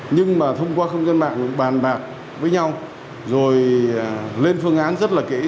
nhưng mà thông qua không gian mạng bàn bạc với nhau rồi lên phương án rất là kỹ